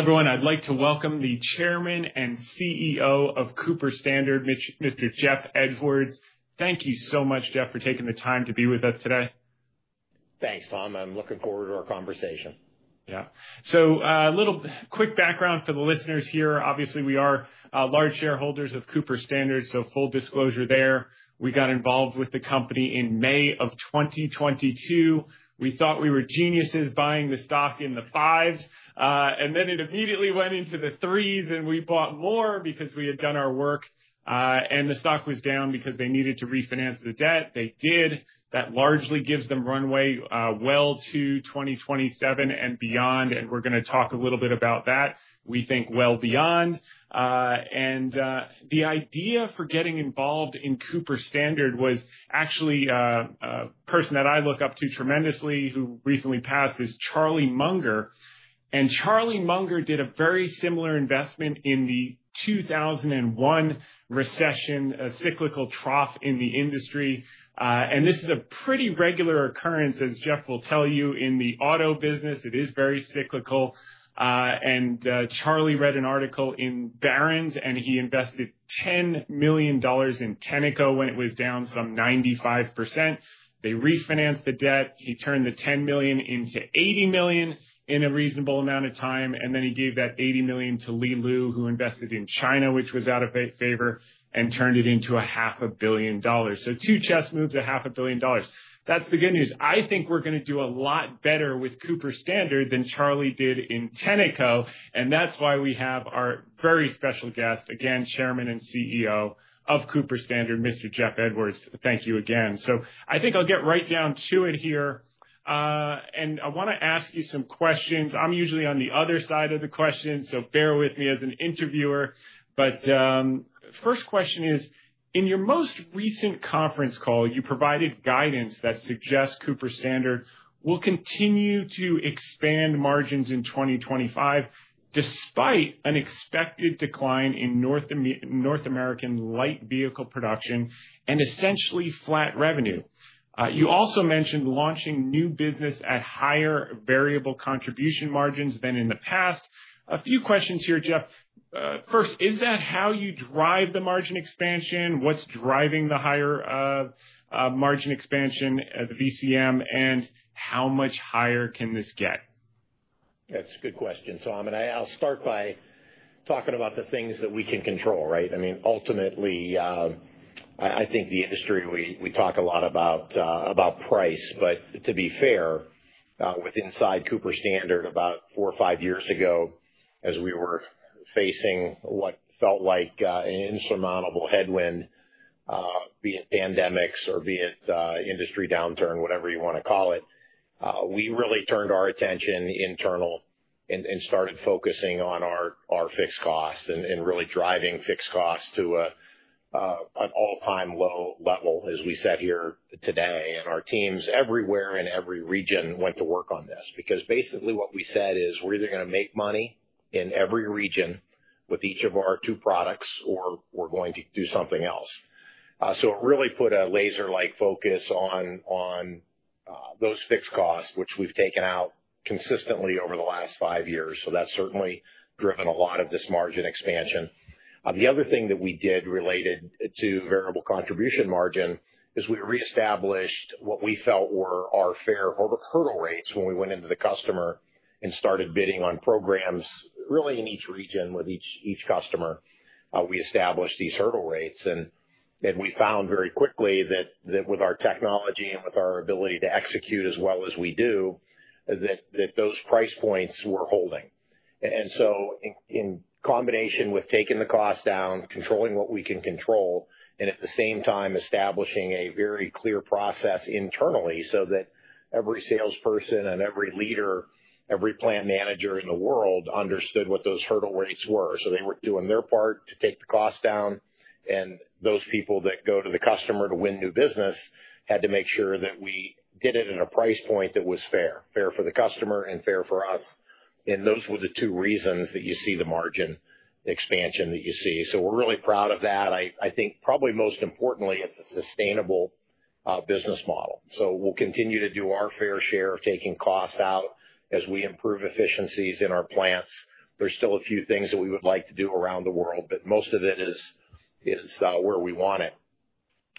Everyone, I'd like to welcome the Chairman and CEO of Cooper Standard, Mr. Jeff Edwards. Thank you so much, Jeff, for taking the time to be with us today. Thanks, Tom. I'm looking forward to our conversation. Yeah. A little quick background for the listeners here. Obviously, we are large shareholders of Cooper Standard, so full disclosure there. We got involved with the company in May of 2022. We thought we were geniuses buying the stock in the fives, and then it immediately went into the threes, and we bought more because we had done our work, and the stock was down because they needed to refinance the debt. They did. That largely gives them runway well to 2027 and beyond, and we're going to talk a little bit about that. We think well beyond. The idea for getting involved in Cooper Standard was actually a person that I look up to tremendously, who recently passed, is Charlie Munger. Charlie Munger did a very similar investment in the 2001 recession, a cyclical trough in the industry. This is a pretty regular occurrence, as Jeff will tell you, in the auto business. It is very cyclical. Charlie read an article in Barron's, and he invested $10 million in Tenneco when it was down some 95%. They refinanced the debt. He turned the $10 million into $80 million in a reasonable amount of time, and then he gave that $80 million to Li Lu, who invested in China, which was out of favor, and turned it into $500,000,000. Two chess moves, $500,000,000. That's the good news. I think we're going to do a lot better with Cooper Standard than Charlie did in Tenneco, and that's why we have our very special guest, again, Chairman and CEO of Cooper Standard, Mr. Jeff Edwards. Thank you again. I think I'll get right down to it here, and I want to ask you some questions. I'm usually on the other side of the questions, so bear with me as an interviewer. First question is, in your most recent conference call, you provided guidance that suggests Cooper Standard will continue to expand margins in 2025 despite an expected decline in North American light vehicle production and essentially flat revenue. You also mentioned launching new business at higher variable contribution margins than in the past. A few questions here, Jeff. First, is that how you drive the margin expansion? What's driving the higher margin expansion, the VCM, and how much higher can this get? That's a good question, Tom. I mean, I'll start by talking about the things that we can control, right? I mean, ultimately, I think the industry, we talk a lot about price. To be fair, within Cooper Standard about four or five years ago, as we were facing what felt like an insurmountable headwind, be it pandemics or be it industry downturn, whatever you want to call it, we really turned our attention internal and started focusing on our fixed costs and really driving fixed costs to an all-time low level, as we sit here today. Our teams everywhere in every region went to work on this because basically what we said is we're either going to make money in every region with each of our two products or we're going to do something else. It really put a laser-like focus on those fixed costs, which we've taken out consistently over the last five years. That certainly driven a lot of this margin expansion. The other thing that we did related to variable contribution margin is we reestablished what we felt were our fair hurdle rates when we went into the customer and started bidding on programs really in each region with each customer. We established these hurdle rates, and we found very quickly that with our technology and with our ability to execute as well as we do, those price points were holding. In combination with taking the cost down, controlling what we can control, and at the same time establishing a very clear process internally so that every salesperson and every leader, every plant manager in the world understood what those hurdle rates were. They were doing their part to take the cost down, and those people that go to the customer to win new business had to make sure that we did it at a price point that was fair, fair for the customer and fair for us. Those were the two reasons that you see the margin expansion that you see. We are really proud of that. I think probably most importantly, it is a sustainable business model. We will continue to do our fair share of taking costs out as we improve efficiencies in our plants. There are still a few things that we would like to do around the world, but most of it is where we want it.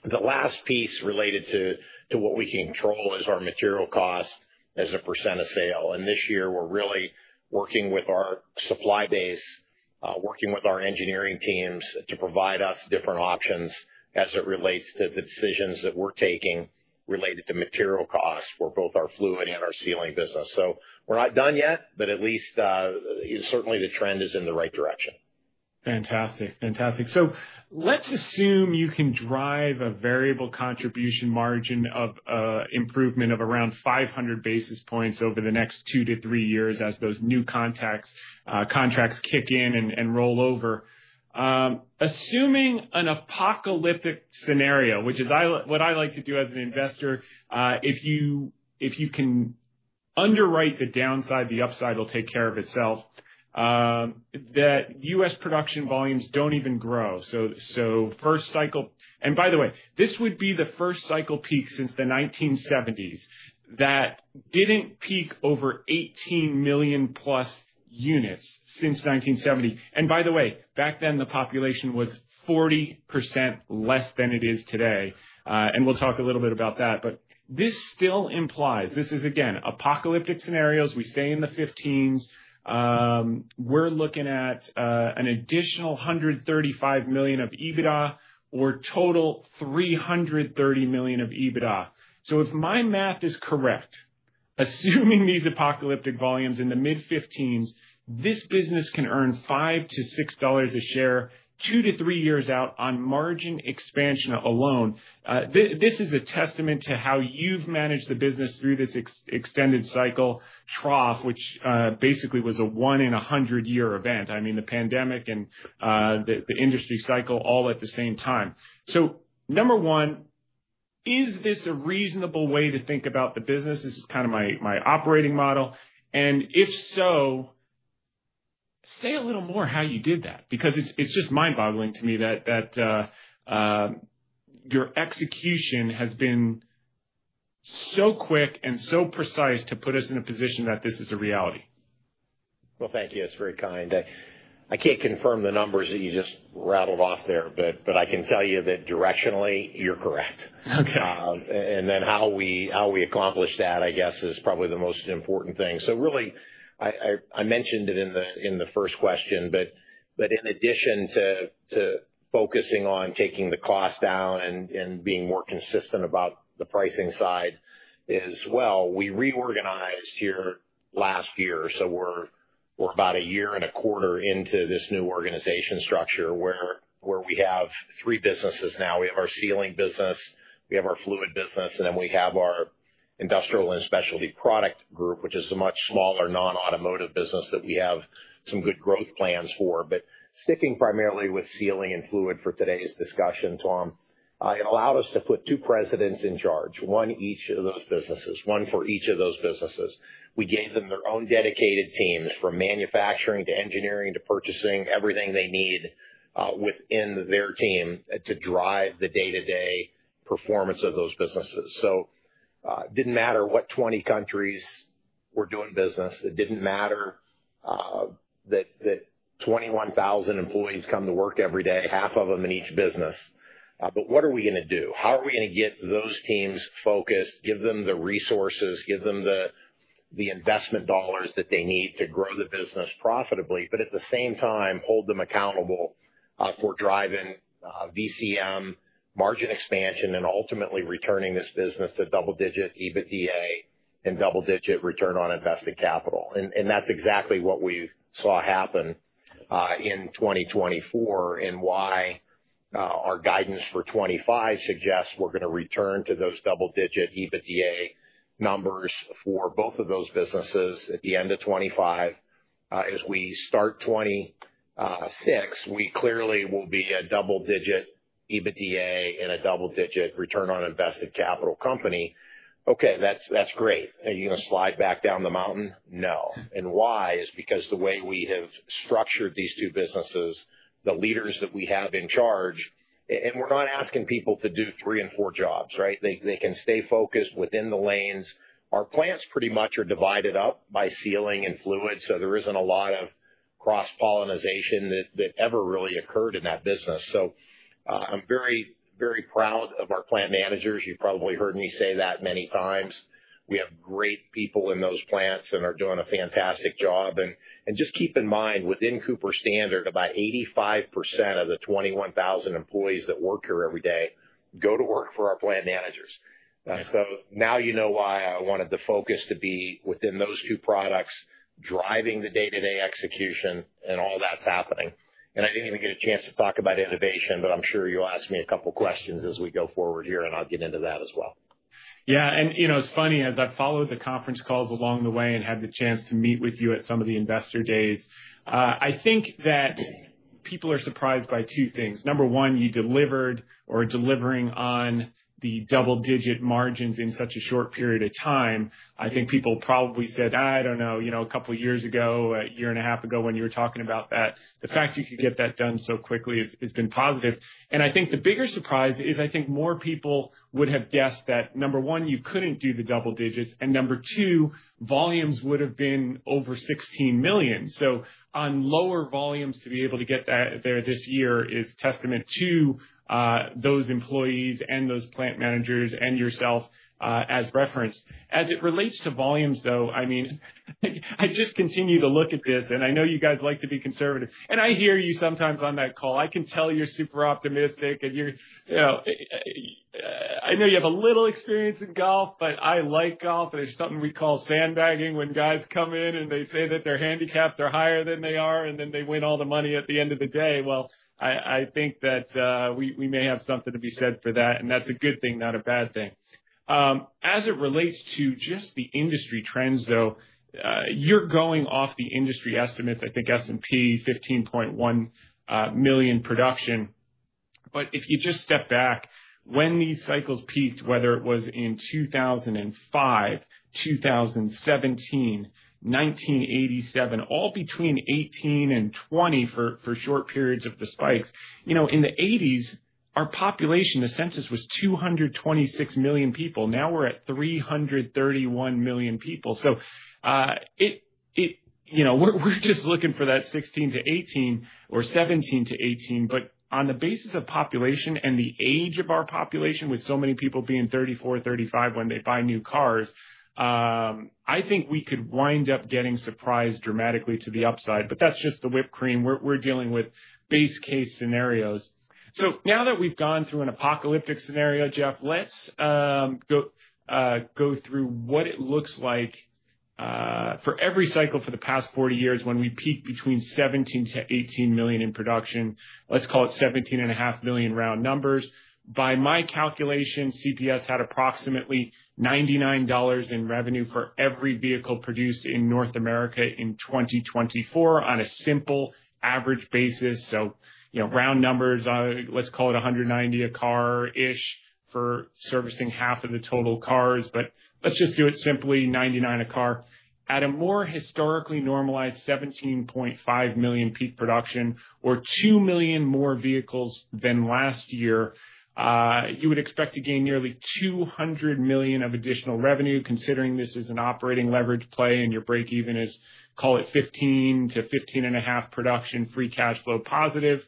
The last piece related to what we can control is our material cost as a percent of sale. This year, we're really working with our supply base, working with our engineering teams to provide us different options as it relates to the decisions that we're taking related to material costs for both our fluid and our sealing business. We're not done yet, but at least certainly the trend is in the right direction. Fantastic. Fantastic. Let's assume you can drive a variable contribution margin of improvement of around 500 basis points over the next two to three years as those new contracts kick in and roll over. Assuming an apocalyptic scenario, which is what I like to do as an investor, if you can underwrite the downside, the upside will take care of itself, that U.S. production volumes do not even grow. First cycle—and by the way, this would be the first cycle peak since the 1970s—that did not peak over 18 million+ units since 1970. By the way, back then, the population was 40% less than it is today. We will talk a little bit about that. This still implies—this is, again, apocalyptic scenarios. We stay in the 15s. We are looking at an additional $135 million of EBITDA or total $330 million of EBITDA. If my math is correct, assuming these apocalyptic volumes in the mid-15s, this business can earn $5-$6 a share two to three years out on margin expansion alone. This is a testament to how you've managed the business through this extended cycle trough, which basically was a one in a hundred-year event. I mean, the pandemic and the industry cycle all at the same time. Number one, is this a reasonable way to think about the business? This is kind of my operating model. And if so, say a little more how you did that because it's just mind-boggling to me that your execution has been so quick and so precise to put us in a position that this is a reality. Thank you. It's very kind. I can't confirm the numbers that you just rattled off there, but I can tell you that directionally, you're correct. How we accomplish that, I guess, is probably the most important thing. I mentioned it in the first question, but in addition to focusing on taking the cost down and being more consistent about the pricing side as well, we reorganized here last year. We're about a year and a quarter into this new organization structure where we have three businesses now. We have our sealing business, we have our fluid business, and then we have our Industrial and Specialty Product Group, which is a much smaller non-automotive business that we have some good growth plans for. Sticking primarily with sealing and fluid for today's discussion, Tom, it allowed us to put two presidents in charge, one for each of those businesses. We gave them their own dedicated teams from manufacturing to engineering to purchasing, everything they need within their team to drive the day-to-day performance of those businesses. It did not matter what 20 countries were doing business. It did not matter that 21,000 employees come to work every day, half of them in each business. What are we going to do? How are we going to get those teams focused, give them the resources, give them the investment dollars that they need to grow the business profitably, but at the same time, hold them accountable for driving VCM margin expansion and ultimately returning this business to double-digit EBITDA and double-digit return on invested capital? That is exactly what we saw happen in 2024 and why our guidance for 2025 suggests we are going to return to those double-digit EBITDA numbers for both of those businesses at the end of 2025. As we start 2026, we clearly will be a double-digit EBITDA and a double-digit return on invested capital company. Okay, that is great. Are you going to slide back down the mountain? No. Why? It is because of the way we have structured these two businesses, the leaders that we have in charge, and we are not asking people to do three and four jobs, right? They can stay focused within the lanes. Our plants pretty much are divided up by sealing and fluid, so there is not a lot of cross-pollinization that ever really occurred in that business. I am very, very proud of our plant managers. You have probably heard me say that many times. We have great people in those plants and are doing a fantastic job. Just keep in mind, within Cooper Standard, about 85% of the 21,000 employees that work here every day go to work for our plant managers. Now you know why I wanted the focus to be within those two products, driving the day-to-day execution and all that's happening. I did not even get a chance to talk about innovation, but I'm sure you'll ask me a couple of questions as we go forward here, and I'll get into that as well. Yeah. It's funny, as I've followed the conference calls along the way and had the chance to meet with you at some of the investor days, I think that people are surprised by two things. Number one, you delivered or are delivering on the double-digit margins in such a short period of time. I think people probably said, "I don't know, a couple of years ago, a year and a half ago when you were talking about that." The fact you could get that done so quickly has been positive. I think the bigger surprise is I think more people would have guessed that, number one, you couldn't do the double digits, and number two, volumes would have been over 16 million. On lower volumes to be able to get there this year is testament to those employees and those plant managers and yourself as referenced. As it relates to volumes, though, I mean, I just continue to look at this, and I know you guys like to be conservative. I hear you sometimes on that call. I can tell you're super optimistic, and I know you have a little experience in golf, but I like golf. There's something we call sandbagging when guys come in and they say that their handicaps are higher than they are, and then they win all the money at the end of the day. I think that we may have something to be said for that, and that's a good thing, not a bad thing. As it relates to just the industry trends, though, you're going off the industry estimates. I think S&P 15.1 million production. If you just step back, when these cycles peaked, whether it was in 2005, 2017, 1987, all between 2018 and 2020 for short periods of the spikes, in the 1980s, our population, the census was 226 million people. Now we're at 331 million people. We're just looking for that 2016 to 2018 or 2017 to 2018. On the basis of population and the age of our population, with so many people being 34, 35 when they buy new cars, I think we could wind up getting surprised dramatically to the upside. That's just the whipped cream. We're dealing with base case scenarios. Now that we've gone through an apocalyptic scenario, Jeff, let's go through what it looks like for every cycle for the past 40 years when we peak between 17 million-18 million in production. Let's call it 17.5 million round numbers. By my calculation, Cooper Standard had approximately $99 in revenue for every vehicle produced in North America in 2024 on a simple average basis. Round numbers, let's call it $190 a car-ish for servicing half of the total cars. Let's just do it simply, $99 a car. At a more historically normalized 17.5 million peak production or 2 million more vehicles than last year, you would expect to gain nearly $200 million of additional revenue considering this is an operating leverage play and your break-even is, call it 15 million-15.5 million production free cash flow positive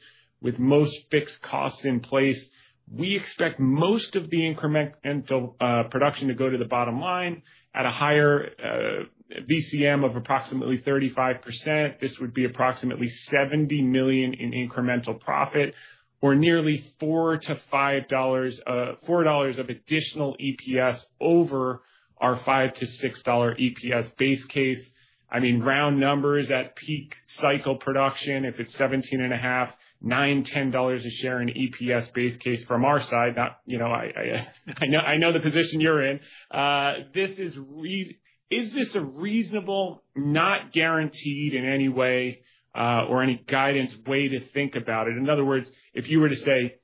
with most fixed costs in place. We expect most of the incremental production to go to the bottom line at a higher VCM of approximately 35%. This would be approximately $70 million in incremental profit or nearly $4-$5 of additional EPS over our $5-$6 EPS base case. I mean, round numbers at peak cycle production, if it's 17.5, $9-$10 a share in EPS base case from our side. I know the position you're in. Is this a reasonable, not guaranteed in any way or any guidance way to think about it? In other words, if you were to say,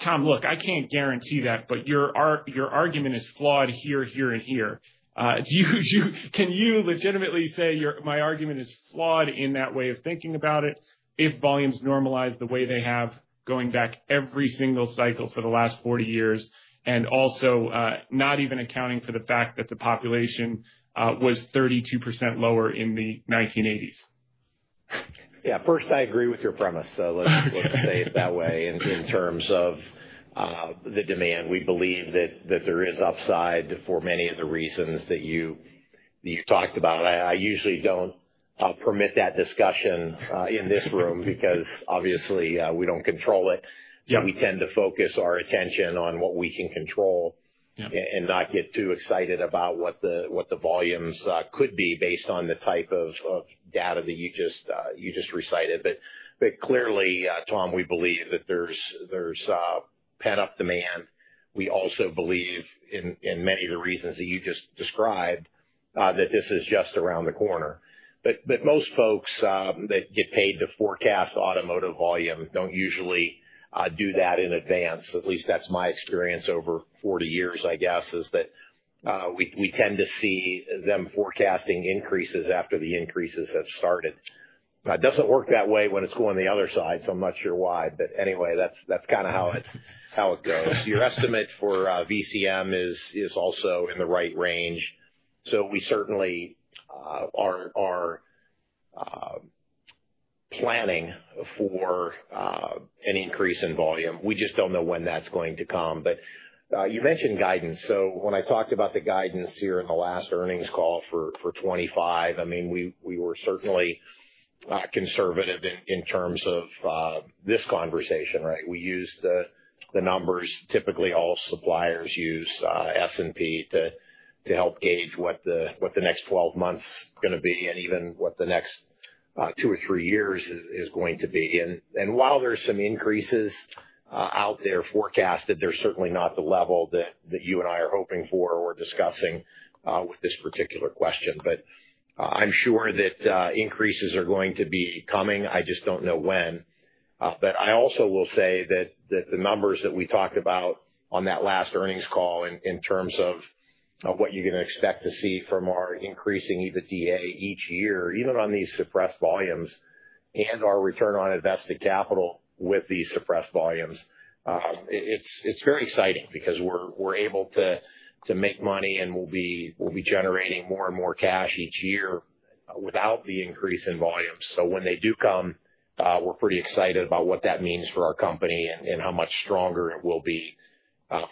"Tom, look, I can't guarantee that, but your argument is flawed here, here, and here." Can you legitimately say, "My argument is flawed in that way of thinking about it if volumes normalize the way they have going back every single cycle for the last 40 years and also not even accounting for the fact that the population was 32% lower in the 1980s? Yeah. First, I agree with your premise. Let's say it that way in terms of the demand. We believe that there is upside for many of the reasons that you talked about. I usually don't permit that discussion in this room because obviously, we don't control it. We tend to focus our attention on what we can control and not get too excited about what the volumes could be based on the type of data that you just recited. Clearly, Tom, we believe that there's pent-up demand. We also believe in many of the reasons that you just described that this is just around the corner. Most folks that get paid to forecast automotive volume don't usually do that in advance. At least that's my experience over 40 years, I guess, is that we tend to see them forecasting increases after the increases have started. It does not work that way when it is going the other side, so I am not sure why. Anyway, that is kind of how it goes. Your estimate for VCM is also in the right range. We certainly are planning for an increase in volume. We just do not know when that is going to come. You mentioned guidance. When I talked about the guidance here in the last earnings call for 2025, I mean, we were certainly conservative in terms of this conversation, right? We used the numbers. Typically, all suppliers use S&P to help gauge what the next 12 months is going to be and even what the next two or three years is going to be. While there are some increases out there forecasted, they are certainly not the level that you and I are hoping for or discussing with this particular question. I'm sure that increases are going to be coming. I just don't know when. I also will say that the numbers that we talked about on that last earnings call in terms of what you're going to expect to see from our increasing EBITDA each year, even on these suppressed volumes and our return on invested capital with these suppressed volumes, it's very exciting because we're able to make money and we'll be generating more and more cash each year without the increase in volumes. When they do come, we're pretty excited about what that means for our company and how much stronger it will be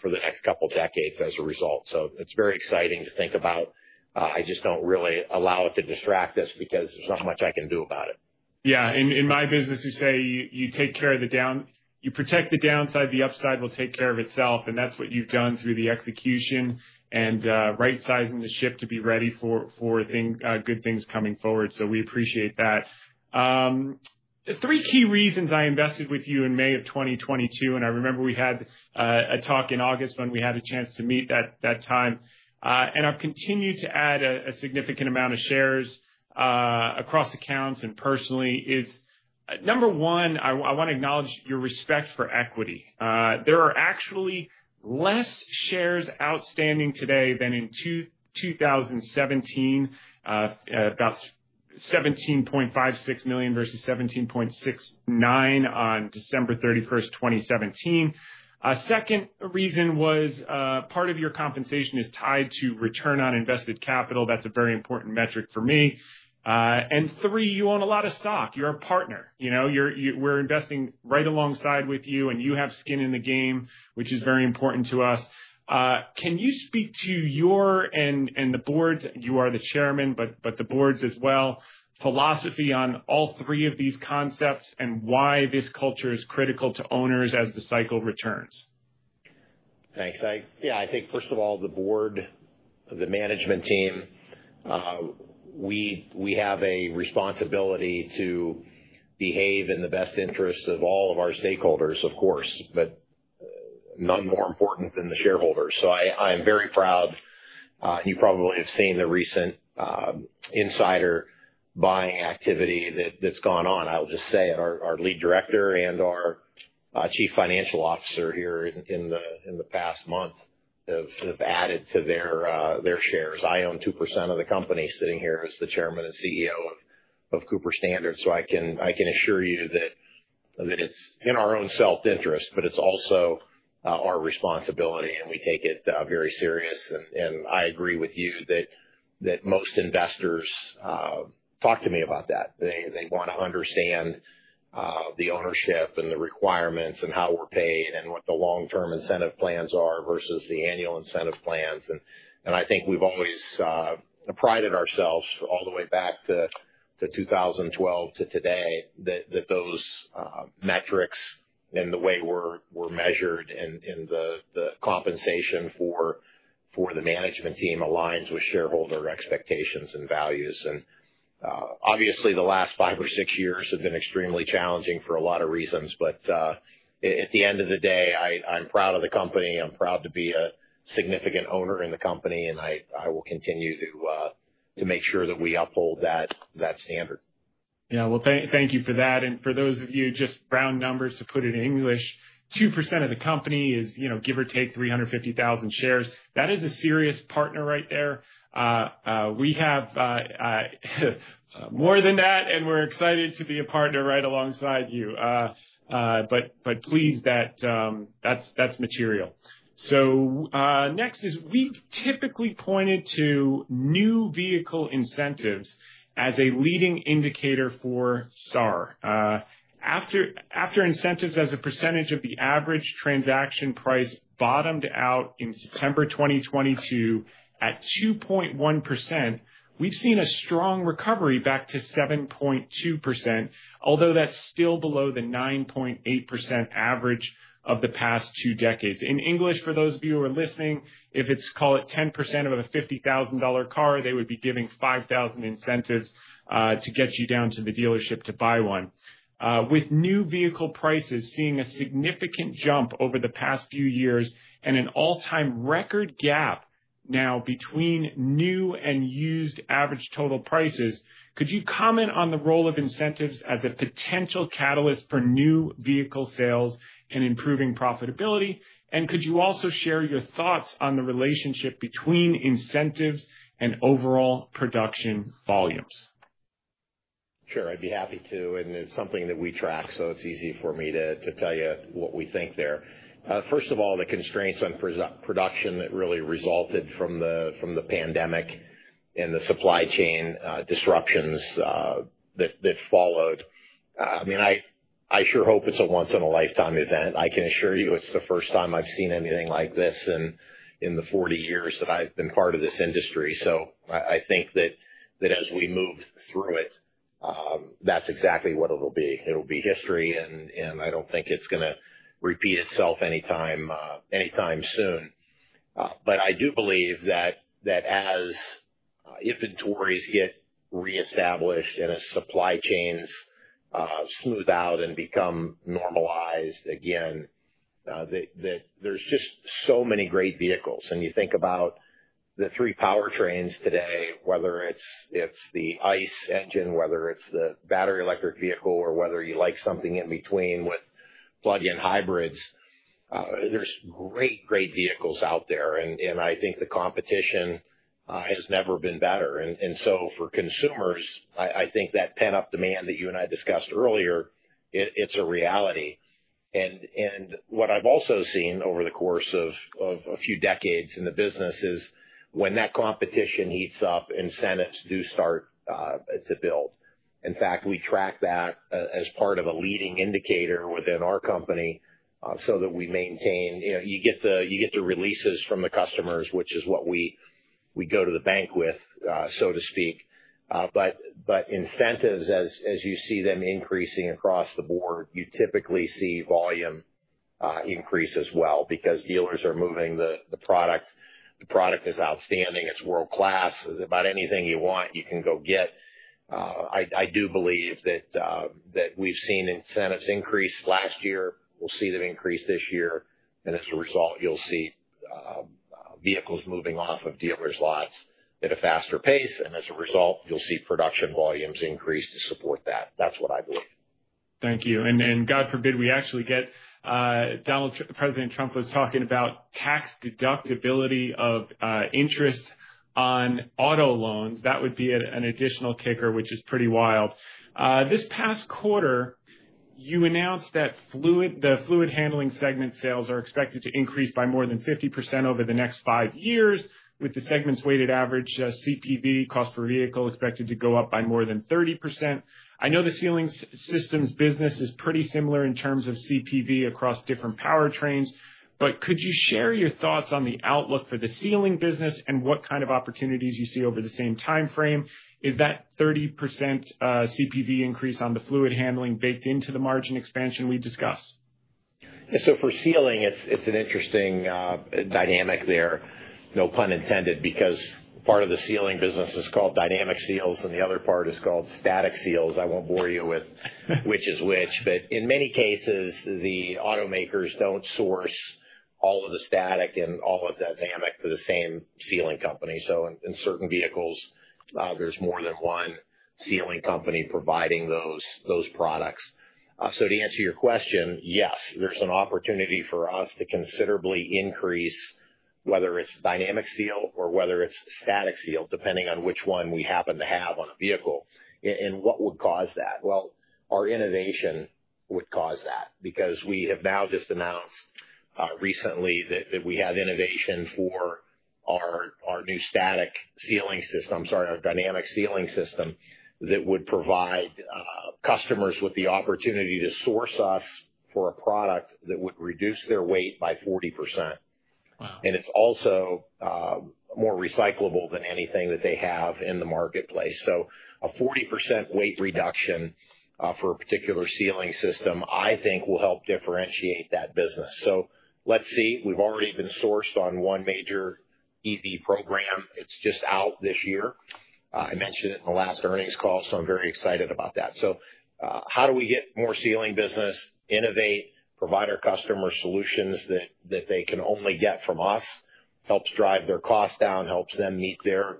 for the next couple of decades as a result. It's very exciting to think about. I just don't really allow it to distract us because there's not much I can do about it. Yeah. In my business, you say you take care of the down, you protect the downside. The upside will take care of itself. That is what you have done through the execution and right-sizing the ship to be ready for good things coming forward. We appreciate that. Three key reasons I invested with you in May of 2022, and I remember we had a talk in August when we had a chance to meet that time. I have continued to add a significant amount of shares across accounts and personally. Number one, I want to acknowledge your respect for equity. There are actually fewer shares outstanding today than in 2017, about 17.56 million versus 17.69 million on December 31, 2017. Second reason was part of your compensation is tied to return on invested capital. That is a very important metric for me. And three, you own a lot of stock. You're a partner. We're investing right alongside with you, and you have skin in the game, which is very important to us. Can you speak to your and the board's—you are the Chairman, but the board's as well—philosophy on all three of these concepts and why this culture is critical to owners as the cycle returns? Thanks. Yeah. I think, first of all, the board, the management team, we have a responsibility to behave in the best interests of all of our stakeholders, of course, but none more important than the shareholders. I am very proud. You probably have seen the recent insider buying activity that's gone on. I'll just say our lead director and our Chief Financial Officer here in the past month have added to their shares. I own 2% of the company sitting here as the Chairman and CEO of Cooper Standard. I can assure you that it's in our own self-interest, but it's also our responsibility, and we take it very serious. I agree with you that most investors talk to me about that. They want to understand the ownership and the requirements and how we're paid and what the long-term incentive plans are versus the annual incentive plans. I think we've always prided ourselves all the way back to 2012 to today that those metrics and the way we're measured and the compensation for the management team aligns with shareholder expectations and values. Obviously, the last five or six years have been extremely challenging for a lot of reasons. At the end of the day, I'm proud of the company. I'm proud to be a significant owner in the company, and I will continue to make sure that we uphold that standard. Yeah. Thank you for that. For those of you, just round numbers to put it in English, 2% of the company is, give or take, 350,000 shares. That is a serious partner right there. We have more than that, and we're excited to be a partner right alongside you. Please, that's material. Next is we've typically pointed to new vehicle incentives as a leading indicator for SAAR. After incentives as a percentage of the average transaction price bottomed out in September 2022 at 2.1%, we've seen a strong recovery back to 7.2%, although that's still below the 9.8% average of the past two decades. In English, for those of you who are listening, if it's, call it, 10% of a $50,000 car, they would be giving $5,000 incentives to get you down to the dealership to buy one. With new vehicle prices seeing a significant jump over the past few years and an all-time record gap now between new and used average total prices, could you comment on the role of incentives as a potential catalyst for new vehicle sales and improving profitability? Could you also share your thoughts on the relationship between incentives and overall production volumes? Sure. I'd be happy to. It's something that we track, so it's easy for me to tell you what we think there. First of all, the constraints on production that really resulted from the pandemic and the supply chain disruptions that followed. I mean, I sure hope it's a once-in-a-lifetime event. I can assure you it's the first time I've seen anything like this in the 40 years that I've been part of this industry. I think that as we move through it, that's exactly what it'll be. It'll be history, and I don't think it's going to repeat itself anytime soon. I do believe that as inventories get reestablished and as supply chains smooth out and become normalized again, there's just so many great vehicles. You think about the three powertrains today, whether it's the ICE engine, whether it's the battery electric vehicle, or whether you like something in between with plug-in hybrids, there's great, great vehicles out there. I think the competition has never been better. For consumers, I think that pent-up demand that you and I discussed earlier, it's a reality. What I've also seen over the course of a few decades in the business is when that competition heats up, incentives do start to build. In fact, we track that as part of a leading indicator within our company so that we maintain you get the releases from the customers, which is what we go to the bank with, so to speak. Incentives, as you see them increasing across the board, you typically see volume increase as well because dealers are moving the product. The product is outstanding. It's world-class. About anything you want, you can go get. I do believe that we've seen incentives increase last year. We'll see them increase this year. As a result, you'll see vehicles moving off of dealers' lots at a faster pace. As a result, you'll see production volumes increase to support that. That's what I believe. Thank you. God forbid we actually get Donald Trump, President Trump was talking about tax deductibility of interest on auto loans. That would be an additional kicker, which is pretty wild. This past quarter, you announced that the Fluid Handling segment sales are expected to increase by more than 50% over the next five years, with the segment's weighted average CPV, cost per vehicle, expected to go up by more than 30%. I know the Sealing Systems business is pretty similar in terms of CPV across different powertrains, but could you share your thoughts on the outlook for the sealing business and what kind of opportunities you see over the same timeframe? Is that 30% CPV increase on the Fluid Handling baked into the margin expansion we discussed? Yeah. For sealing, it's an interesting dynamic there, no pun intended, because part of the sealing business is called dynamic seals, and the other part is called static seals. I won't bore you with which is which. In many cases, the automakers don't source all of the static and all of the dynamic for the same sealing company. In certain vehicles, there's more than one sealing company providing those products. To answer your question, yes, there's an opportunity for us to considerably increase, whether it's dynamic seal or whether it's static seal, depending on which one we happen to have on a vehicle. What would cause that? Our innovation would cause that because we have now just announced recently that we have innovation for our new static sealing system, sorry, our dynamic sealing system that would provide customers with the opportunity to source us for a product that would reduce their weight by 40%. It is also more recyclable than anything that they have in the marketplace. A 40% weight reduction for a particular sealing system, I think, will help differentiate that business. Let's see. We have already been sourced on one major EV program. It is just out this year. I mentioned it in the last earnings call, so I am very excited about that. How do we get more sealing business, innovate, provide our customers solutions that they can only get from us, helps drive their cost down, helps them meet their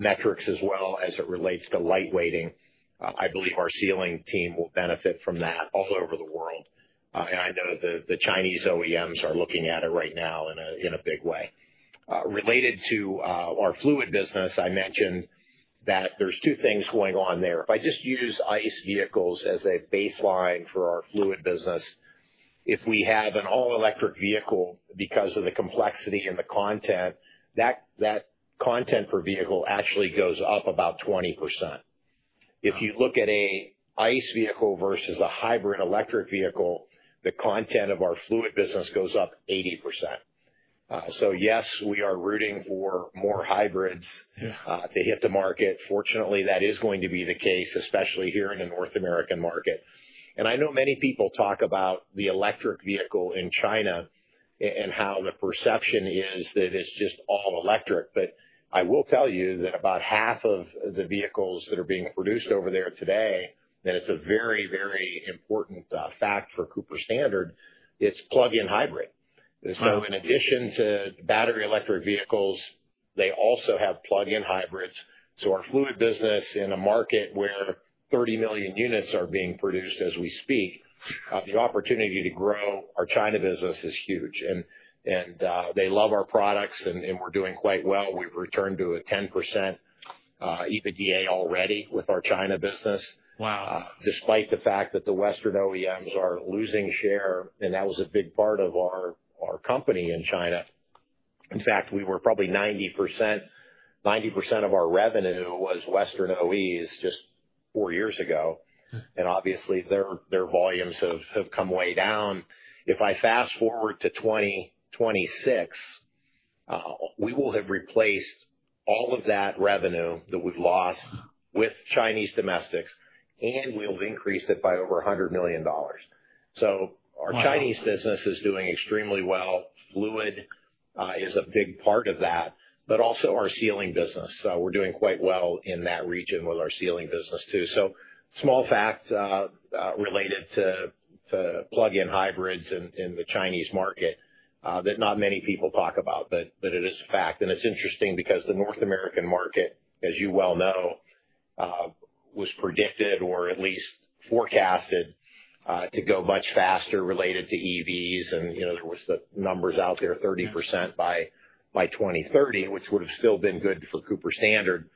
metrics as well as it relates to lightweighting? I believe our sealing team will benefit from that all over the world. I know the Chinese OEMs are looking at it right now in a big way. Related to our fluid business, I mentioned that there are two things going on there. If I just use ICE vehicles as a baseline for our fluid business, if we have an all-electric vehicle because of the complexity and the content, that content per vehicle actually goes up about 20%. If you look at an ICE vehicle versus a hybrid electric vehicle, the content of our fluid business goes up 80%. Yes, we are rooting for more hybrids to hit the market. Fortunately, that is going to be the case, especially here in the North American market. I know many people talk about the electric vehicle in China and how the perception is that it is just all electric. I will tell you that about half of the vehicles that are being produced over there today, and it's a very, very important fact for Cooper Standard, it's plug-in hybrid. In addition to battery electric vehicles, they also have plug-in hybrids. Our fluid business in a market where 30 million units are being produced as we speak, the opportunity to grow our China business is huge. They love our products, and we're doing quite well. We've returned to a 10% EBITDA already with our China business, despite the fact that the Western OEMs are losing share, and that was a big part of our company in China. In fact, probably 90% of our revenue was Western OEMs just four years ago. Obviously, their volumes have come way down. If I fast forward to 2026, we will have replaced all of that revenue that we've lost with Chinese domestics, and we'll have increased it by over $100 million. Our Chinese business is doing extremely well. Fluid is a big part of that, but also our sealing business. We are doing quite well in that region with our sealing business too. A small fact related to plug-in hybrids in the Chinese market that not many people talk about, but it is a fact. It is interesting because the North American market, as you well know, was predicted or at least forecasted to go much faster related to EVs. There were the numbers out there, 30% by 2030, which would have still been good for Cooper Standard.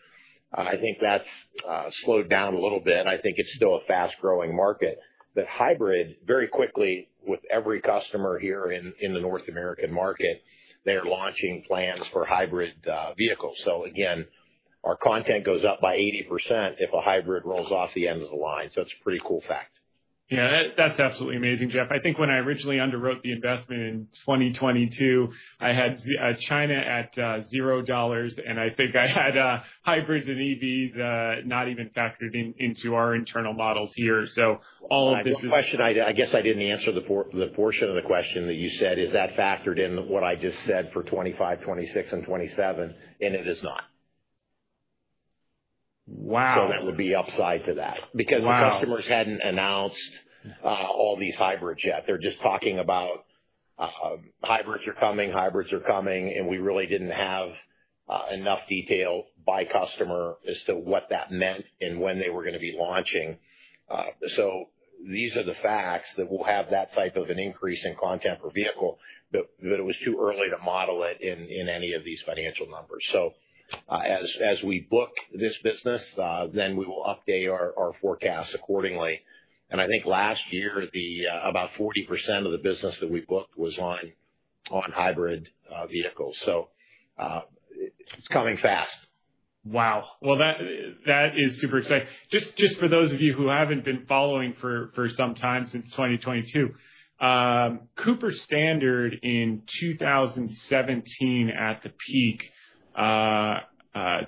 I think that has slowed down a little bit. I think it is still a fast-growing market. Hybrid, very quickly, with every customer here in the North American market, they're launching plans for hybrid vehicles. Again, our content goes up by 80% if a hybrid rolls off the end of the line. It's a pretty cool fact. Yeah. That's absolutely amazing, Jeff. I think when I originally underwrote the investment in 2022, I had China at $0, and I think I had hybrids and EVs not even factored into our internal models here. All of this is. The question, I guess I did not answer the portion of the question that you said. Is that factored in what I just said for 2025, 2026, and 2027? It is not. Wow. That would be upside to that because the customers had not announced all these hybrids yet. They are just talking about hybrids are coming, hybrids are coming, and we really did not have enough detail by customer as to what that meant and when they were going to be launching. These are the facts that we will have that type of an increase in content per vehicle, but it was too early to model it in any of these financial numbers. As we book this business, then we will update our forecast accordingly. I think last year, about 40% of the business that we booked was on hybrid vehicles. It is coming fast. Wow. That is super exciting. Just for those of you who have not been following for some time since 2022, Cooper Standard in 2017 at the peak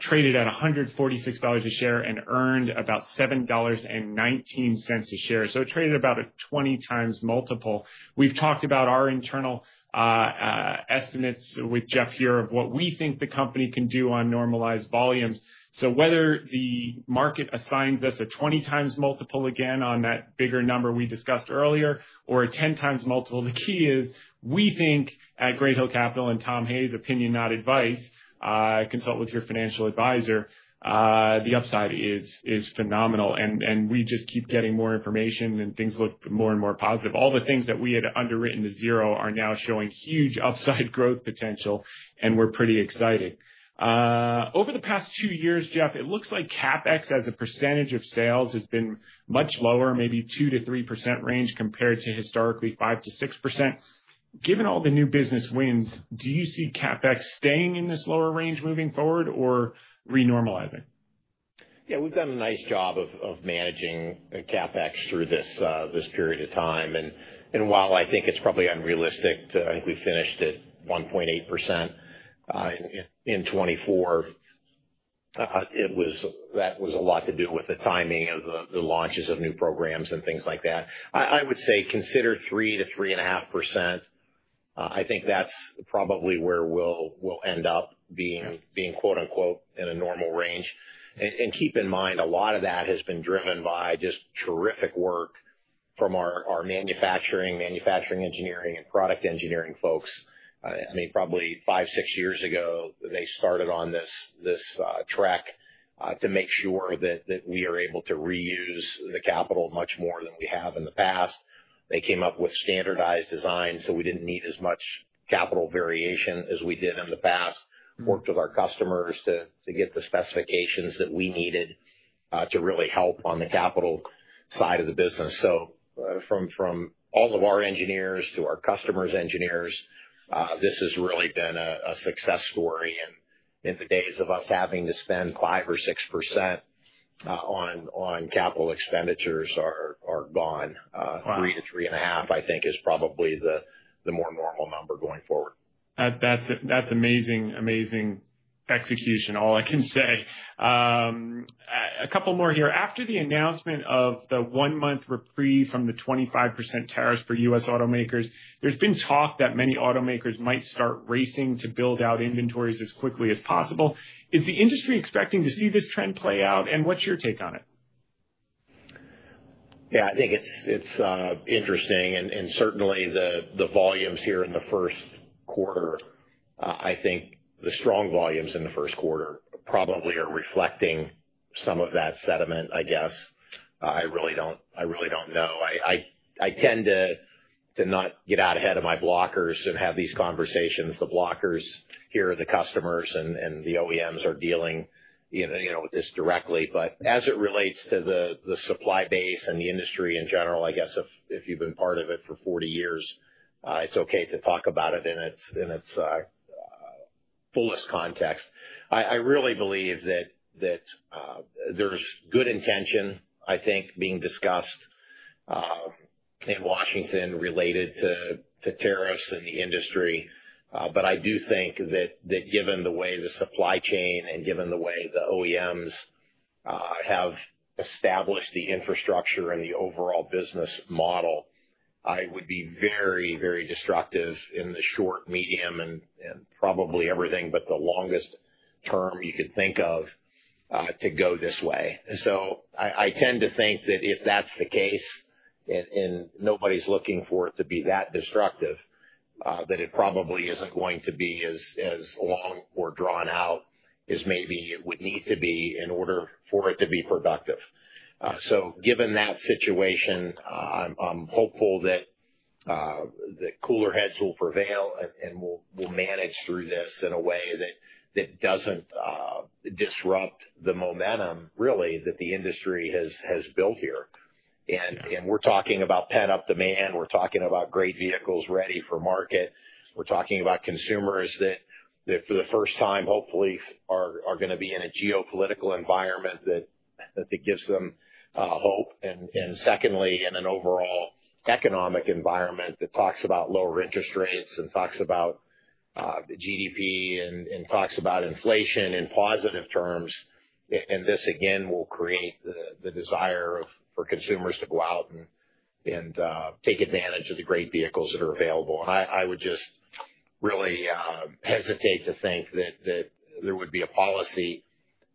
traded at $146 a share and earned about $7.19 a share. It traded at about a 20 times multiple. We have talked about our internal estimates with Jeff here of what we think the company can do on normalized volumes. Whether the market assigns us a 20 times multiple again on that bigger number we discussed earlier or a 10 times multiple, the key is we think at Great Hill Capital and Tom Hayes' opinion, not advice, consult with your financial advisor, the upside is phenomenal. We just keep getting more information, and things look more and more positive. All the things that we had underwritten to zero are now showing huge upside growth potential, and we are pretty excited. Over the past two years, Jeff, it looks like CapEx as a percentage of sales has been much lower, maybe 2%-3% range compared to historically 5%-6%. Given all the new business wins, do you see CapEx staying in this lower range moving forward or renormalizing? Yeah. We've done a nice job of managing CapEx through this period of time. While I think it's probably unrealistic to, I think we finished at 1.8% in 2024, that was a lot to do with the timing of the launches of new programs and things like that. I would say consider 3%-3.5%. I think that's probably where we'll end up being "in a normal range." Keep in mind, a lot of that has been driven by just terrific work from our manufacturing, manufacturing engineering, and product engineering folks. I mean, probably five, six years ago, they started on this track to make sure that we are able to reuse the capital much more than we have in the past. They came up with standardized designs, so we did not need as much capital variation as we did in the past, worked with our customers to get the specifications that we needed to really help on the capital side of the business. From all of our engineers to our customers' engineers, this has really been a success story. In the days of us having to spend 5% or 6% on capital expenditures are gone. 3% to 3.5%, I think, is probably the more normal number going forward. That's amazing, amazing execution, all I can say. A couple more here. After the announcement of the one-month reprieve from the 25% tariffs for U.S. automakers, there's been talk that many automakers might start racing to build out inventories as quickly as possible. Is the industry expecting to see this trend play out, and what's your take on it? Yeah. I think it's interesting. Certainly, the volumes here in the first quarter, I think the strong volumes in the first quarter probably are reflecting some of that sentiment, I guess. I really don't know. I tend to not get out ahead of my blockers and have these conversations. The blockers here are the customers, and the OEMs are dealing with this directly. As it relates to the supply base and the industry in general, I guess if you've been part of it for 40 years, it's okay to talk about it in its fullest context. I really believe that there's good intention, I think, being discussed in Washington related to tariffs in the industry. I do think that given the way the supply chain and given the way the OEMs have established the infrastructure and the overall business model, it would be very, very destructive in the short, medium, and probably everything but the longest term you could think of to go this way. I tend to think that if that's the case, and nobody's looking for it to be that destructive, that it probably isn't going to be as long or drawn out as maybe it would need to be in order for it to be productive. Given that situation, I'm hopeful that cooler heads will prevail and we'll manage through this in a way that doesn't disrupt the momentum really that the industry has built here. We're talking about pent-up demand. We're talking about great vehicles ready for market. We're talking about consumers that for the first time, hopefully, are going to be in a geopolitical environment that gives them hope. Secondly, in an overall economic environment that talks about lower interest rates and talks about GDP and talks about inflation in positive terms. This, again, will create the desire for consumers to go out and take advantage of the great vehicles that are available. I would just really hesitate to think that there would be a policy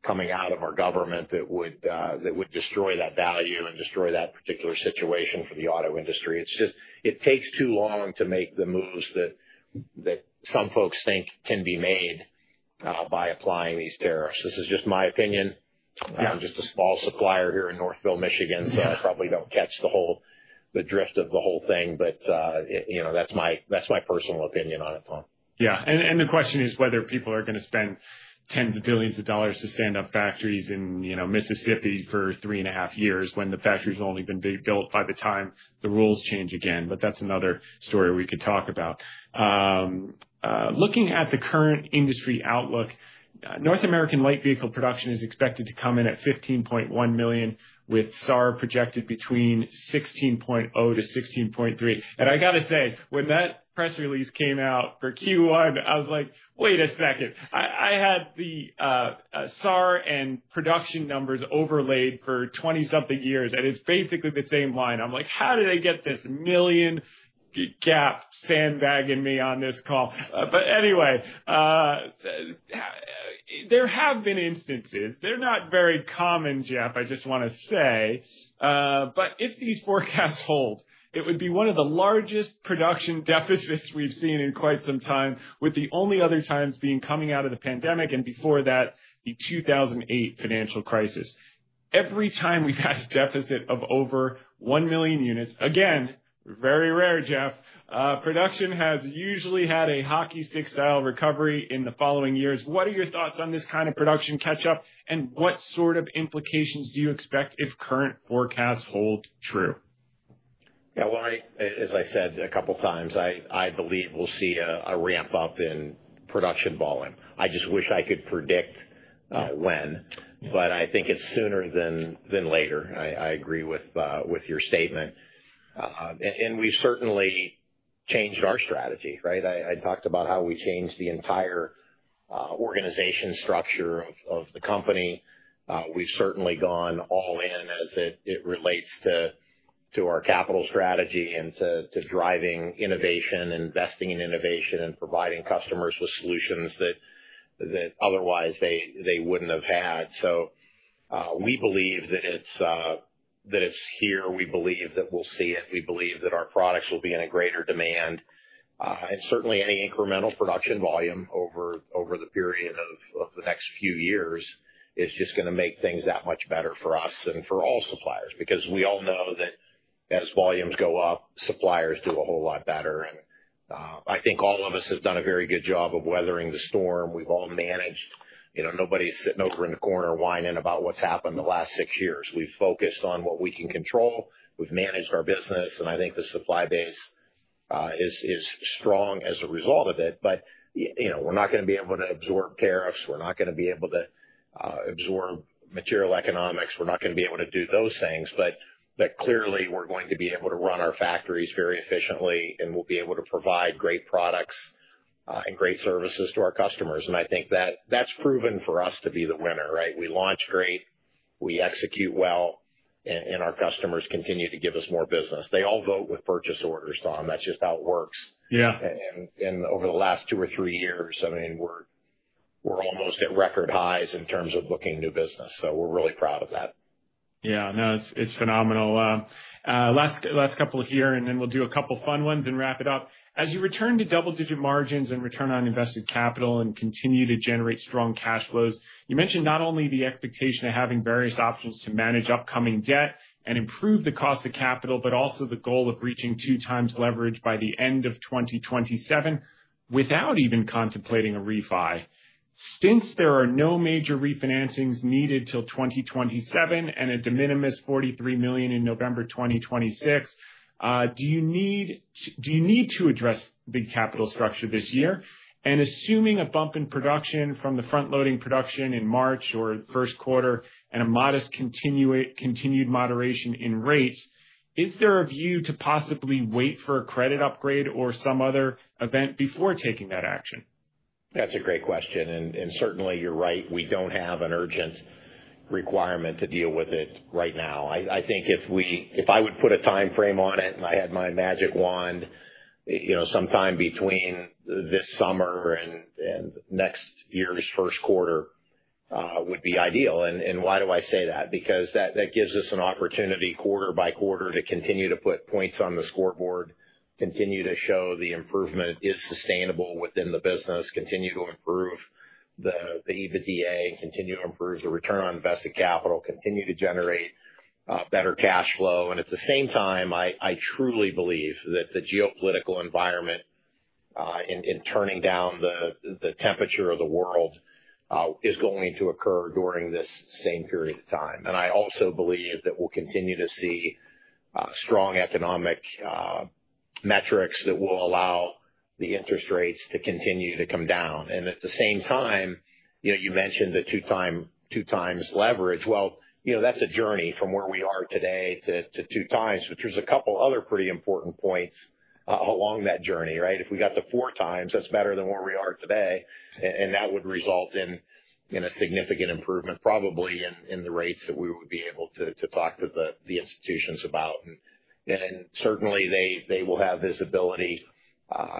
coming out of our government that would destroy that value and destroy that particular situation for the auto industry. It just takes too long to make the moves that some folks think can be made by applying these tariffs. This is just my opinion. I'm just a small supplier here in Northville, Michigan, so I probably don't catch the drift of the whole thing. That is my personal opinion on it, Tom. Yeah. The question is whether people are going to spend tens of billions of dollars to stand up factories in Mississippi for three and a half years when the factories will only have been built by the time the rules change again. That is another story we could talk about. Looking at the current industry outlook, North American light vehicle production is expected to come in at 15.1 million, with SAAR projected between 16.0-16.3. I got to say, when that press release came out for Q1, I was like, "Wait a second." I had the SAAR and production numbers overlaid for 20-something years, and it is basically the same line. I am like, "How did they get this million gap sandbag in me on this call?" Anyway, there have been instances. They are not very common, Jeff, I just want to say. If these forecasts hold, it would be one of the largest production deficits we've seen in quite some time, with the only other times being coming out of the pandemic and before that, the 2008 financial crisis. Every time we've had a deficit of over 1 million units, again, very rare, Jeff, production has usually had a hockey stick-style recovery in the following years. What are your thoughts on this kind of production catch-up, and what sort of implications do you expect if current forecasts hold true? Yeah. As I said a couple of times, I believe we'll see a ramp-up in production volume. I just wish I could predict when, but I think it's sooner than later. I agree with your statement. We've certainly changed our strategy, right? I talked about how we changed the entire organization structure of the company. We've certainly gone all in as it relates to our capital strategy and to driving innovation, investing in innovation, and providing customers with solutions that otherwise they wouldn't have had. We believe that it's here. We believe that we'll see it. We believe that our products will be in greater demand. Certainly, any incremental production volume over the period of the next few years is just going to make things that much better for us and for all suppliers because we all know that as volumes go up, suppliers do a whole lot better. I think all of us have done a very good job of weathering the storm. We've all managed. Nobody's sitting over in the corner whining about what's happened the last six years. We've focused on what we can control. We've managed our business, and I think the supply base is strong as a result of it. We are not going to be able to absorb tariffs. We are not going to be able to absorb material economics. We are not going to be able to do those things. Clearly, we're going to be able to run our factories very efficiently, and we'll be able to provide great products and great services to our customers. I think that's proven for us to be the winner, right? We launch great. We execute well, and our customers continue to give us more business. They all vote with purchase orders, Tom. That's just how it works. Over the last two or three years, I mean, we're almost at record highs in terms of booking new business. We're really proud of that. Yeah. No, it's phenomenal. Last couple here, and then we'll do a couple of fun ones and wrap it up. As you return to double-digit margins and return on invested capital and continue to generate strong cash flows, you mentioned not only the expectation of having various options to manage upcoming debt and improve the cost of capital, but also the goal of reaching two-times leverage by the end of 2027 without even contemplating a refi. Since there are no major refinancings needed till 2027 and a de minimis $43 million in November 2026, do you need to address the capital structure this year? Assuming a bump in production from the front-loading production in March or first quarter and a modest continued moderation in rates, is there a view to possibly wait for a credit upgrade or some other event before taking that action? That's a great question. Certainly, you're right. We don't have an urgent requirement to deal with it right now. I think if I would put a time frame on it and I had my magic wand, sometime between this summer and next year's first quarter would be ideal. Why do I say that? Because that gives us an opportunity quarter by quarter to continue to put points on the scoreboard, continue to show the improvement is sustainable within the business, continue to improve the EBITDA, continue to improve the return on invested capital, continue to generate better cash flow. At the same time, I truly believe that the geopolitical environment and turning down the temperature of the world is going to occur during this same period of time. I also believe that we'll continue to see strong economic metrics that will allow the interest rates to continue to come down. At the same time, you mentioned the two-times leverage. That is a journey from where we are today to two times, but there are a couple of other pretty important points along that journey, right? If we got to four times, that is better than where we are today. That would result in a significant improvement, probably in the rates that we would be able to talk to the institutions about. Certainly, they will have visibility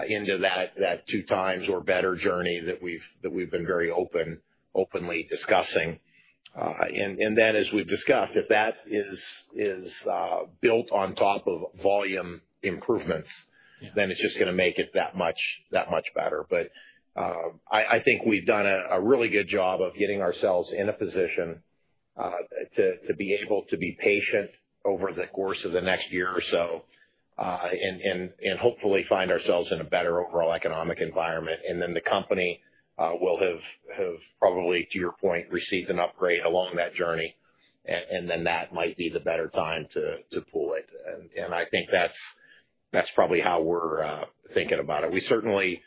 into that two-times or better journey that we have been very openly discussing. As we have discussed, if that is built on top of volume improvements, then it is just going to make it that much better. I think we've done a really good job of getting ourselves in a position to be able to be patient over the course of the next year or so and hopefully find ourselves in a better overall economic environment. The company will have probably, to your point, received an upgrade along that journey, and that might be the better time to pull it. I think that's probably how we're thinking about it.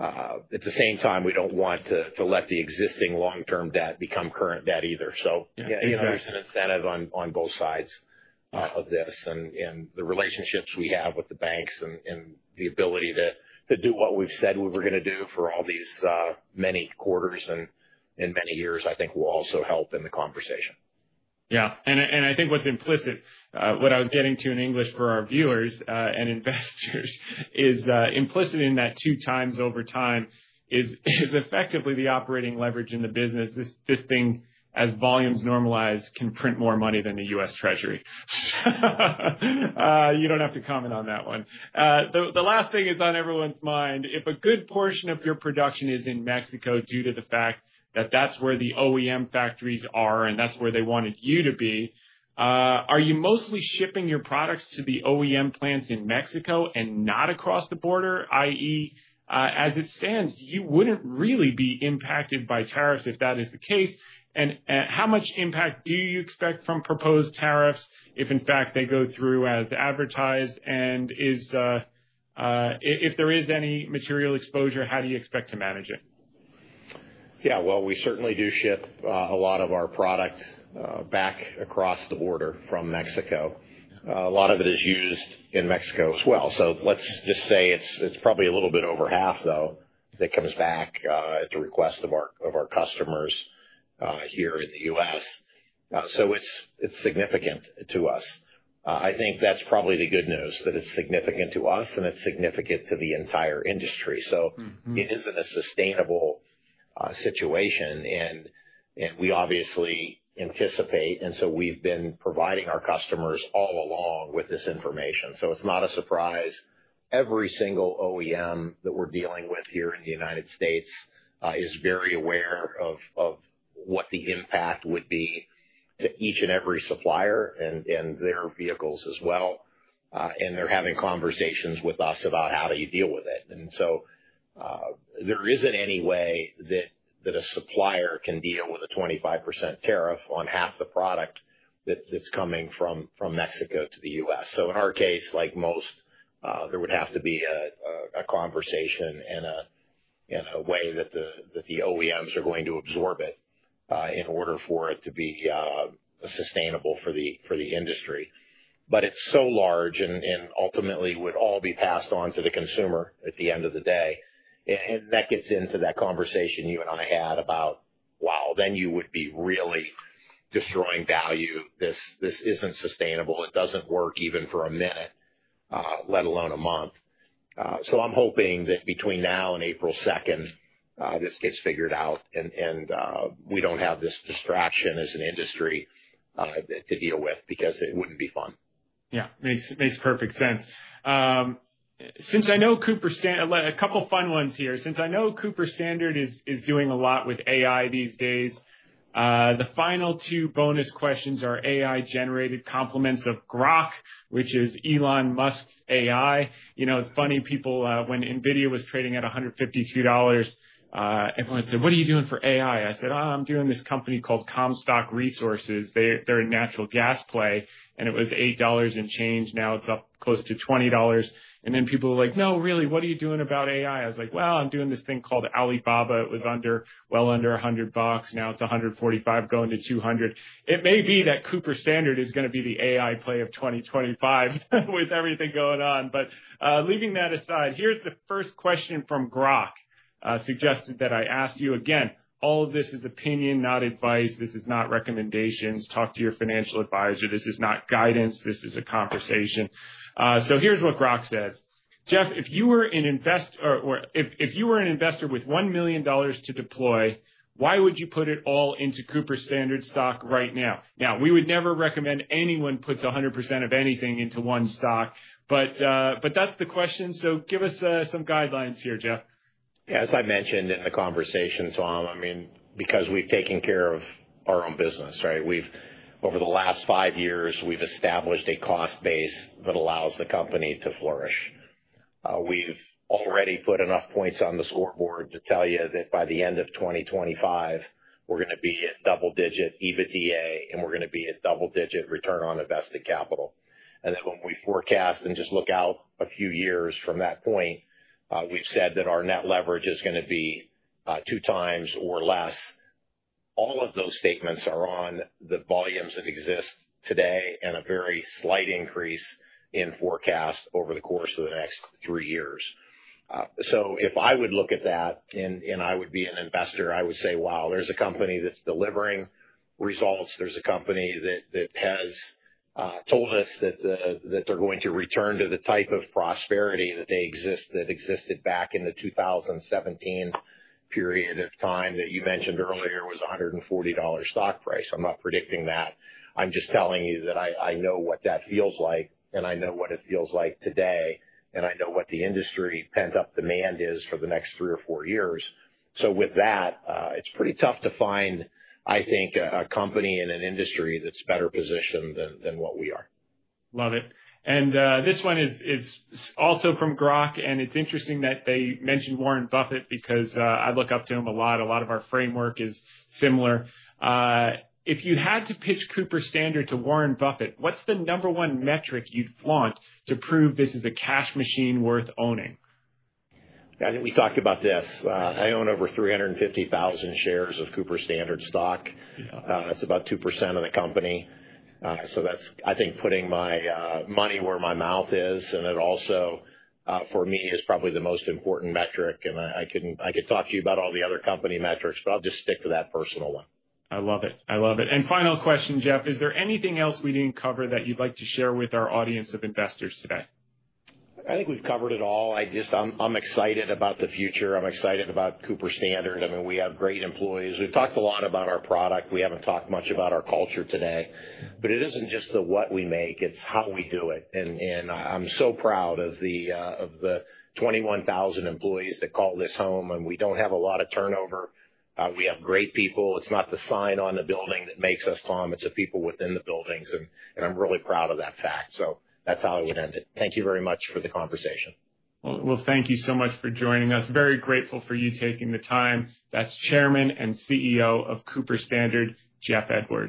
At the same time, we don't want to let the existing long-term debt become current debt either. There's an incentive on both sides of this. The relationships we have with the banks and the ability to do what we've said we were going to do for all these many quarters and many years, I think will also help in the conversation. Yeah. I think what's implicit, what I was getting to in English for our viewers and investors, is implicit in that two times over time is effectively the operating leverage in the business. This thing, as volumes normalize, can print more money than the U.S. Treasury. You don't have to comment on that one. The last thing is on everyone's mind. If a good portion of your production is in Mexico due to the fact that that's where the OEM factories are and that's where they wanted you to be, are you mostly shipping your products to the OEM plants in Mexico and not across the border? I.e., as it stands, you wouldn't really be impacted by tariffs if that is the case. How much impact do you expect from proposed tariffs if, in fact, they go through as advertised? If there is any material exposure, how do you expect to manage it? Yeah. We certainly do ship a lot of our product back across the border from Mexico. A lot of it is used in Mexico as well. Let's just say it's probably a little bit over half, though, that comes back at the request of our customers here in the U.S. It is significant to us. I think that's probably the good news, that it's significant to us and it's significant to the entire industry. It isn't a sustainable situation. We obviously anticipate, and we have been providing our customers all along with this information. It is not a surprise. Every single OEM that we're dealing with here in the United States is very aware of what the impact would be to each and every supplier and their vehicles as well. They are having conversations with us about how you deal with it. There is not any way that a supplier can deal with a 25% tariff on half the product that is coming from Mexico to the U.S. In our case, like most, there would have to be a conversation and a way that the OEMs are going to absorb it in order for it to be sustainable for the industry. It is so large and ultimately would all be passed on to the consumer at the end of the day. That gets into that conversation you and I had about, "Wow, then you would be really destroying value. This is not sustainable. It does not work even for a minute, let alone a month." I am hoping that between now and April 2, this gets figured out and we do not have this distraction as an industry to deal with because it would not be fun. Yeah. Makes perfect sense. A couple of fun ones here. Since I know Cooper Standard is doing a lot with AI these days, the final two bonus questions are AI-generated complements of Grok, which is Elon Musk's AI. It's funny, people, when NVIDIA was trading at $152, everyone said, "What are you doing for AI?" I said, "Oh, I'm doing this company called Comstock Resources. They're in natural gas play." And it was $8 and change. Now it's up close to $20. And then people were like, "No, really, what are you doing about AI?" I was like, "Well, I'm doing this thing called Alibaba. It was well under $100. Now it's $145 going to $200." It may be that Cooper Standard is going to be the AI play of 2025 with everything going on. Leaving that aside, here's the first question from Grok, suggested that I ask you. Again, all of this is opinion, not advice. This is not recommendations. Talk to your financial advisor. This is not guidance. This is a conversation. Here's what Grok says. "Jeff, if you were an investor or if you were an investor with $1 million to deploy, why would you put it all into Cooper Standard stock right now?" Now, we would never recommend anyone puts 100% of anything into one stock, but that's the question. Give us some guidelines here, Jeff. Yeah. As I mentioned in the conversation, Tom, I mean, because we've taken care of our own business, right? Over the last five years, we've established a cost base that allows the company to flourish. We've already put enough points on the scoreboard to tell you that by the end of 2025, we're going to be at double-digit EBITDA, and we're going to be at double-digit return on invested capital. When we forecast and just look out a few years from that point, we've said that our net leverage is going to be two times or less. All of those statements are on the volumes that exist today and a very slight increase in forecast over the course of the next three years. If I would look at that and I would be an investor, I would say, "Wow, there's a company that's delivering results. There's a company that has told us that they're going to return to the type of prosperity that existed back in the 2017 period of time that you mentioned earlier was $140 stock price. I'm not predicting that. I'm just telling you that I know what that feels like, and I know what it feels like today, and I know what the industry pent-up demand is for the next three or four years. With that, it's pretty tough to find, I think, a company in an industry that's better positioned than what we are. Love it. This one is also from Grok, and it's interesting that they mentioned Warren Buffett because I look up to him a lot. A lot of our framework is similar. If you had to pitch Cooper Standard to Warren Buffett, what's the number one metric you'd want to prove this is a cash machine worth owning? I think we talked about this. I own over 350,000 shares of Cooper Standard stock. It's about 2% of the company. That's, I think, putting my money where my mouth is. It also, for me, is probably the most important metric. I could talk to you about all the other company metrics, but I'll just stick to that personal one. I love it. I love it. Final question, Jeff, is there anything else we did not cover that you'd like to share with our audience of investors today? I think we've covered it all. I'm excited about the future. I'm excited about Cooper Standard. I mean, we have great employees. We've talked a lot about our product. We haven't talked much about our culture today. It isn't just the what we make. It's how we do it. I'm so proud of the 21,000 employees that call this home. We don't have a lot of turnover. We have great people. It's not the sign on the building that makes us, Tom. It's the people within the buildings. I'm really proud of that fact. That's how I would end it. Thank you very much for the conversation. Thank you so much for joining us. Very grateful for you taking the time. That is Chairman and CEO of Cooper Standard, Jeff Edwards.